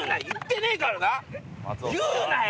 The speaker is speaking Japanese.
言うなよ！